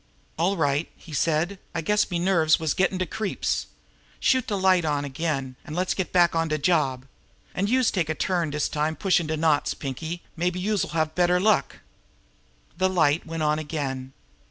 "All right," he said. "I guess me nerves are gettin' de creeps. Shoot de light on again, an' let's get back on de job. An' youse can take a turn dis time pushin' de knots, Pinkie; mabbe youse'll have better luck." The light went on again.